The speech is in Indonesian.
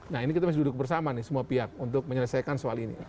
nah ini kita masih duduk bersama nih semua pihak untuk menyelesaikan soal ini